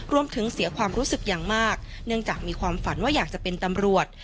เสียความรู้สึกอย่างมากเนื่องจากมีความฝันว่าอยากจะเป็นตำรวจ